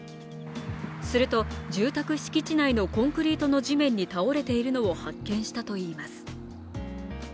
すると住宅敷地内のコンクリートの地面に倒れているのを発見したといいます。